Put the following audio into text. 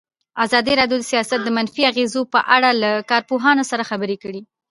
ازادي راډیو د سیاست د منفي اغېزو په اړه له کارپوهانو سره خبرې کړي.